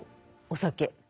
お酒。